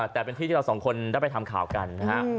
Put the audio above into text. แต่เป็นที่ที่เราสองคนได้ไปทำข่าวกันนะฮะ